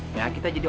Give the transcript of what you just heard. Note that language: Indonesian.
edukasi hidup saya